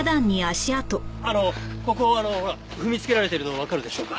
あのここあのほら踏みつけられているのわかるでしょうか？